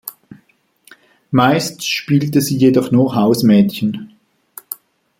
Meist spielte sie jedoch nur Hausmädchen.